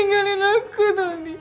jangan meninggalin aku dhani